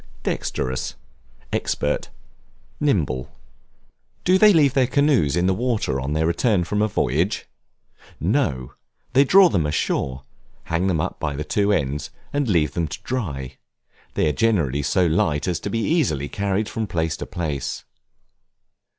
Dexterous, expert, nimble. Do they leave their canoes in the water on their return from a voyage? No, they draw them ashore, hang them up by the two ends, and leave them to dry; they are generally so light as to be easily carried from place to place.